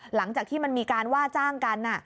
หลังจากที่มันมีการว่าจ้างกัน